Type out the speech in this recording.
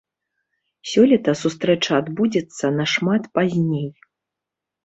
Сёлета сустрэча адбудзецца нашмат пазней.